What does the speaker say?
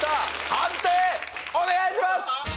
判定お願いします！